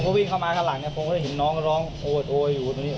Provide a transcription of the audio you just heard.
ผมก็วิ่งเข้ามาข้างหลังเนี่ยผมก็ได้เห็นน้องร้องโอ๊ยอยู่ตรงนี้